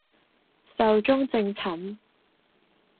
壽終正寢